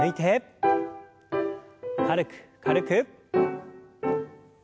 軽く軽く。